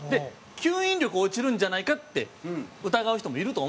吸引力、落ちるんじゃないかって疑う人もいると思うんです。